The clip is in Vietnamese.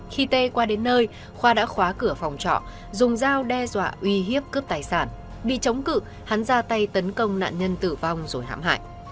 khi tê qua đến nơi khoa đã khóa cửa phòng trọ dùng dao đe dọa uy hiếp cướp tài sản bị chống cự hắn ra tay tấn công nạn nhân tử vong rồi hãm hại